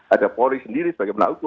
ada polri sendiri sebagai pelaku